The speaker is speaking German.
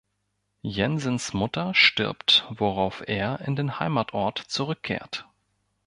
Jensens Mutter stirbt, worauf er in den Heimatort zurückkehrt.